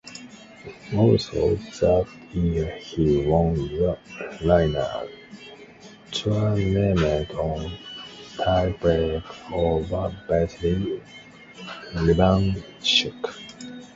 Also that year he won the Linares tournament on tiebreak over Vassily Ivanchuk.